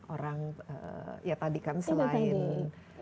orang ya tadi kan selain